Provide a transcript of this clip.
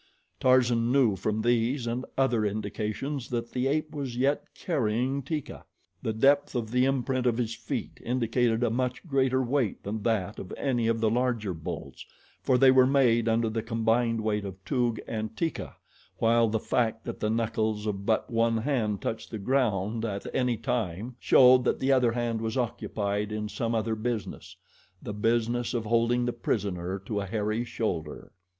Tarzan knew from these and other indications that the ape was yet carrying Teeka. The depth of the imprint of his feet indicated a much greater weight than that of any of the larger bulls, for they were made under the combined weight of Toog and Teeka, while the fact that the knuckles of but one hand touched the ground at any time showed that the other hand was occupied in some other business the business of holding the prisoner to a hairy shoulder.